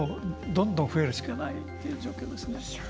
どんどん増えるしかないという状況ですね。